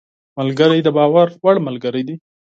ملګری د باور وړ ملګری دی